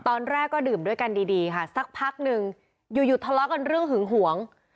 ตอนแรกก็ดื่มด้วยกันดีค่ะสักพักหนึ่งอยู่อยู่ทะเลาะกันเรื่องหึงหวง